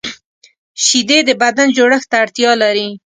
شیدې د بدن جوړښت ته اړتیا لري